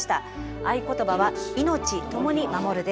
合言葉は「いのちともに守る」です。